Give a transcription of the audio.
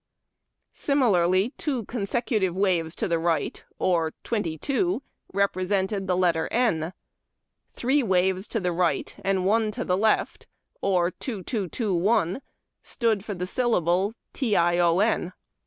Similarly, two consecutive waves to the right, or 22, represented the letter N, Three waves to the right and one to the left, or 2221, stood for the syllable tio7i.